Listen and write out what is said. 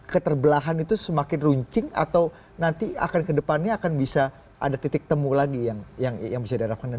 keterbelahan itu semakin runcing atau nanti akan kedepannya akan bisa ada titik temu lagi yang bisa diharapkan